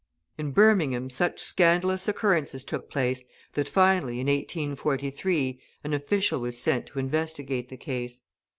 In Birmingham such scandalous occurrences took place, that finally, in 1843, an official was sent to investigate the case.